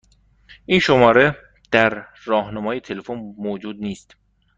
این شماره در راهنمای تلفن موجود نیست.